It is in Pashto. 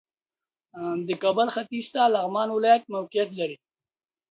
د کابل ختیځ ته لغمان ولایت موقعیت لري